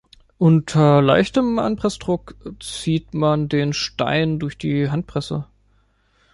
Unter leichtem Anpressdruck zieht man den Stein durch die Handpresse.